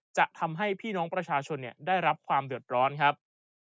จะทำให้พี่น้องประชาชนได้รับความเดือดร้อนครับ